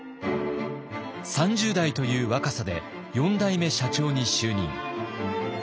３０代という若さで４代目社長に就任。